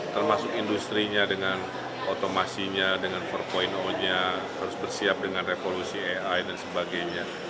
termasuk industri nya dengan otomasinya dengan empat nya harus bersiap dengan revolusi ai dan sebagainya